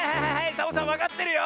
サボさんわかってるよ！